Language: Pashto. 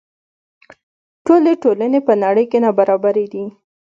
ټولې ټولنې په نړۍ کې نابرابرې دي.